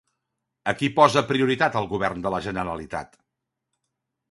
A qui posa prioritat el govern de la Generalitat?